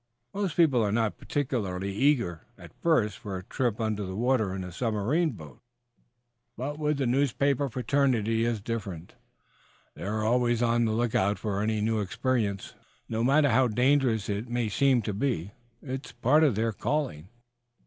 Most people are not particularly eager, at first, for a trip under the water in submarine boats, but with the newspaper fraternity it is different. They are always on the lookout for any new experience, no matter how dangerous it may seem to be. It is a part of their calling.